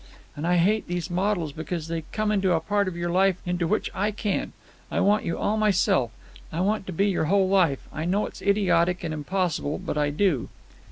And I hate these models because they come into a part of your life into which I can't. I want you all to myself. I want to be your whole life. I know it's idiotic and impossible, but I do."